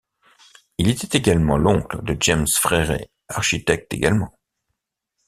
Il était également l'oncle de James Fréret, architecte également.